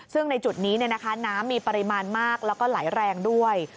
ซึ่งในจุดนี้น้ำมีปริมาณมากแล้วก็ไหลแรงด้วย